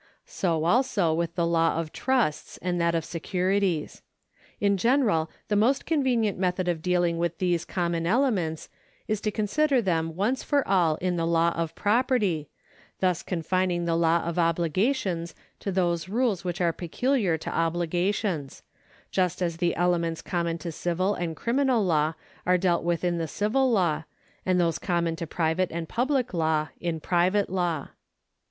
So also with the law of trusts and that of securities. In general the most convenient method of dealing with these common elements is to consider them once for all in the law of property, thus confining the law of obhgations to those rules which are pecuHar to obliga tions : just as the elements common to civil and criminal law are dealt with in the civil law, and those common to private and public law in private law.